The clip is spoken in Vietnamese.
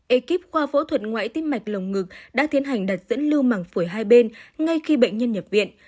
ekip khoa phẫu thuật ngoại tim mạch lồng ngực đã tiến hành đặt dẫn lưu màng phổi hai bên ngay khi bệnh nhân nhập viện